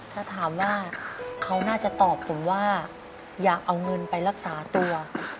ถ้าถามว่าเขาน่าจะตอบผมว่าอยากเอาเงินไปรักษาตัว